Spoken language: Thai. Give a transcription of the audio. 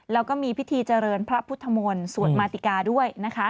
แล้วก็มีพิธีเจริญพระพุทธมนตร์สวดมาติกาด้วยนะคะ